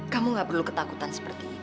kamu gak perlu ketakutan seperti ini